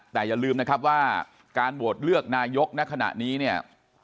แต่อย่าลืมนะครับว่าการโหวตเลือกนายกในขณะนี้เนี่ย